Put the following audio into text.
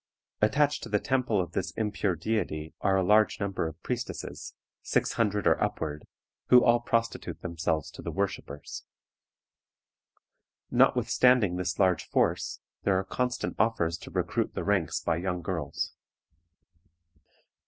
Attached to the temple of this impure deity are a large number of priestesses, six hundred or upward, who all prostitute themselves to the worshipers. Notwithstanding this large force, there are constant offers to recruit the ranks by young girls.